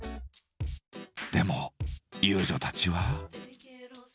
でも遊女たちは。